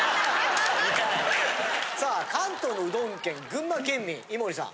さあ関東のうどん県群馬県民井森さん。